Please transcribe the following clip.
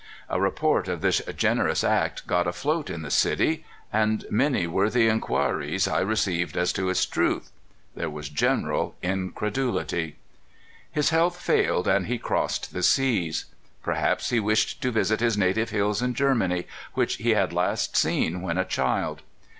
A report of this generous act got afloat in the city, and many 244 CALIFORNIA SKETCHES. were the inquiries I received as to its truth. There was general increduUty. His health failed, and he crossed the seas. Per haps he wished to visit his native hills in Germany, which he had last seen when a child.